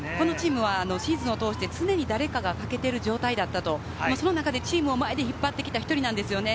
シーズンを通して、常に誰かが欠けている状態だったと、そのチームを引っ張ってきた１人なんですよね。